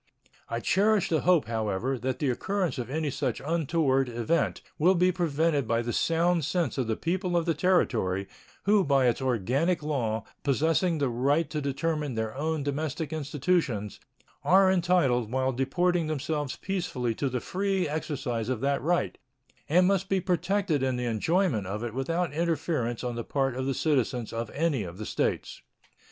I cherish the hope, however, that the occurrence of any such untoward event will be prevented by the sound sense of the people of the Territory, who by its organic law, possessing the right to determine their own domestic institutions, are entitled while deporting themselves peacefully to the free exercise of that right, and must be protected in the enjoyment of it without interference on the part of the citizens of any of the States.